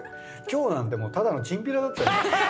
今日なんてただのチンピラだったよ。